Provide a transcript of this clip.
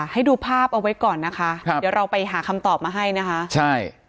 ให้ดูภาพเอาไว้ก่อนนะคะครับเดี๋ยวเราไปหาคำตอบมาให้นะคะใช่